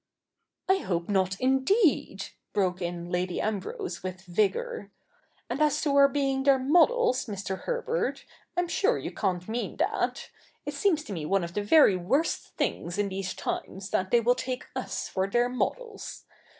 ' I hope not, indeed,' broke in Lady Ambrose with vigour ;' and as to our being their models, Mr. Herbert, CH. ii] THE NEW REPUBLIC 225 I'm sure you cant mean that. It seems to me one of the very worst things in these times that they will take us for their models.